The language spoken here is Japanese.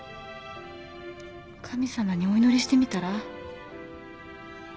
神様にお祈りしてみたら？